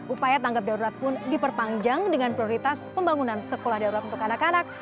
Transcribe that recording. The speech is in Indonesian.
upaya tanggap darurat pun diperpanjang dengan prioritas pembangunan sekolah darurat untuk anak anak